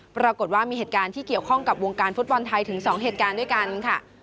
ปรากฏว่ามีเหตุการณ์ที่เกี่ยวข้องกับวงการฟุตบอลไทยถึง๒เหตุการณ์ด้วยกันค่ะ